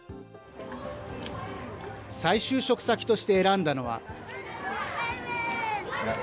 再就職先として選んだのは。